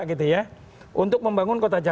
gitu ya untuk membangun kota jakarta